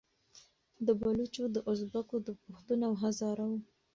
د بــــلوچـــو، د اُزبـــــــــــــــــکو، د پــــښــــتــــون او هـــــزاره وو